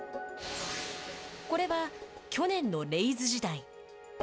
これは、去年のレイズ時代。